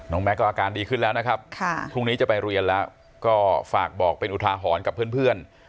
น้องแมคก็อาการดีขึ้นแล้วนะครับทีนี้จะไปเรียนละก็ฝากบอกเป็นอุทาหอนคำหวังกับเพื่อน